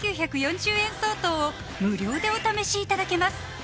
５９４０円相当を無料でお試しいただけます